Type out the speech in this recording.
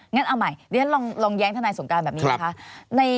งั้นเอาใหม่เดี๋ยวเราลองแย้งท่านนายสงการแบบนี้นะคะ